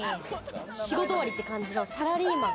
仕事終わりって感じのサラリーマン。